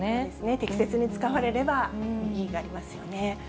適切に使われれば意義がありますよね。